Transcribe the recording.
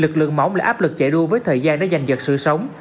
lực lượng mẫu là áp lực chạy đua với thời gian đã dành cho sự sống